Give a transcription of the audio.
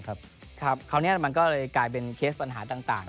คราวนี้มันก็เลยกลายเป็นเคสปัญหาต่าง